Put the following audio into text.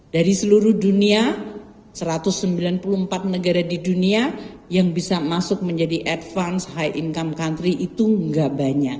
dari seluruh dunia satu ratus sembilan puluh empat negara di dunia yang bisa masuk menjadi advance high income country itu nggak banyak